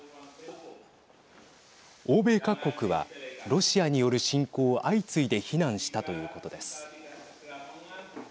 欧米各国はロシアによる侵攻を相次いで非難したということです。